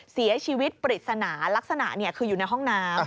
เสียชีวิตปริศนาลักษณะคืออยู่ในห้องน้ำ